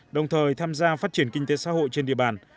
đồng thời tham gia phát triển kinh tế xã hội trên địa bàn